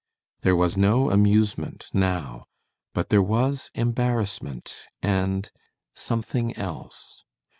There was no amusement now, but there was embarrassment and something else.